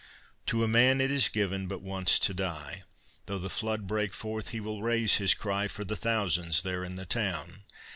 To a man it is given but once to die, Though the flood break forth he will raise his cry For the thousands there in the town.